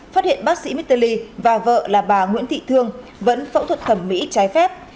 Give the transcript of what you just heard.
phát hiện bác sĩ mitterly và vợ là bà nguyễn thị thương vẫn phẫu thuật thẩm mỹ trái phép